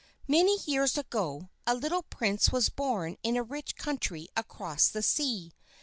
Many years ago, a little prince was born in a rich country across the sea.